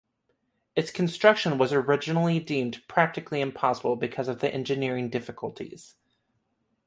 Its construction was originally deemed practically impossible, because of the engineering difficulties.